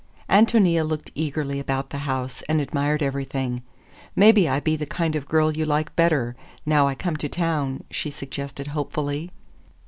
Ántonia looked eagerly about the house and admired everything. "Maybe I be the kind of girl you like better, now I come to town," she suggested hopefully.